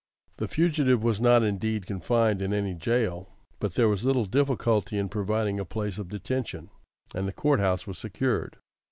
The fugitive was not indeed confined in any jail, but there was little difficulty in providing a place of detention, and the court house was secured.